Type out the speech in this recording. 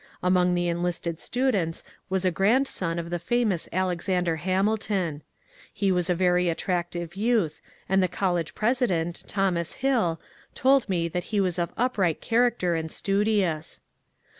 Among the enlisted students was a grandson of the famous Alexander Hamilton. He was a very attractive youth, and the collie president, Thomas Hill, told me that he was of upright char acter and studious.